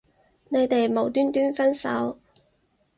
你哋無端端分手